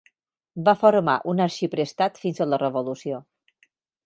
Va formar un arxiprestat fins a la revolució.